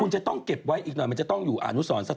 คุณจะต้องเก็บไว้อีกหน่อยมันจะต้องอยู่อนุสรสัก